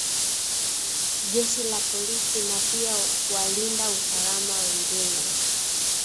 jeshi la polisi na pia walinda usalama wengine